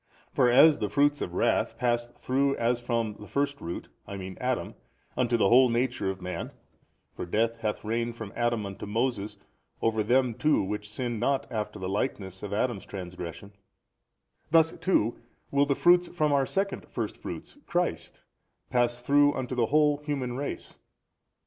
For as the [fruits] of wrath passed through as from the first root, I mean Adam, unto the whole nature of man (for death hath reigned from Adam unto Moses over them too which sinned not after the likeness of Adam's transgression): thus too will the [fruits] from our second first fruits, Christ, pass through unto the whole human race.